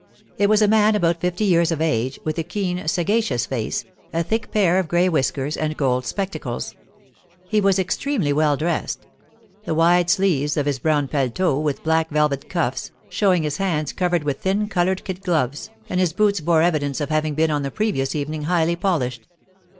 It was a man about fifty years of age, with a keen, sagacious face, a thick pair of gray whiskers, and gold spectacles. He was extremely well dressed; the wide sleeves of his brown paletot, with black velvet cuffs, showing his hands covered with thin coloured kid gloves, and his boots bore evidence of having been on the previous evening highly polished.